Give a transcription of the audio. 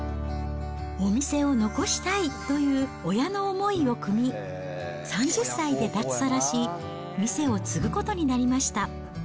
お店を残したいという親の思いをくみ、３０歳で脱サラし、店を継ぐことになりました。